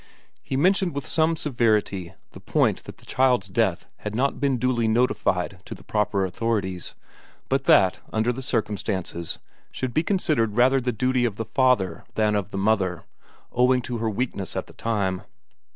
He mentioned with some severity the point that the child's death had not been duly notified to the proper authorities but that, under the circumstances, should be considered rather the duty of the father than of the mother, owing to her weakness at the time.